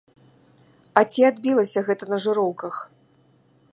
І ці адбілася гэта на жыроўках?